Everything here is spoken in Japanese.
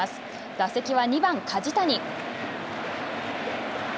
打席は２番梶谷。